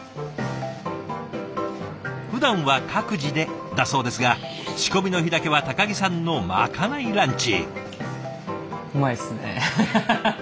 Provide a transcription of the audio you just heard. ふだんは各自でだそうですが仕込みの日だけは木さんのまかないランチ。